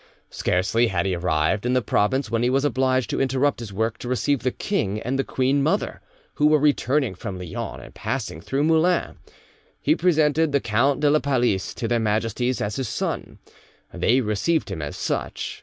Scarcely had he arrived in the province when he was obliged to interrupt his work to receive the king and the queen mother, who were returning from Lyons and passing through Moulins. He presented the Count de la Palice to their Majesties as his son; they received him as such.